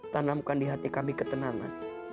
tanamkan di hati kami ketenangan